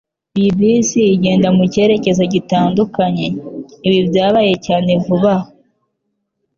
Iyi bisi igenda mucyerekezo gitandukanye. Ibi byabaye cyane vuba aha.